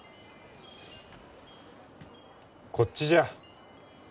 こっちじゃ。